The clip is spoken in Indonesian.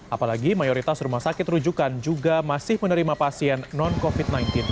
apalagi mayoritas rumah sakit rujukan juga masih menerima pasien non covid sembilan belas